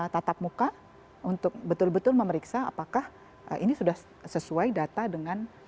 tatap muka untuk betul betul memeriksa apakah ini sudah sesuai data dengan